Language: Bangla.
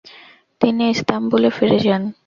তিনি ইস্তাম্বুলে ফিরে যান।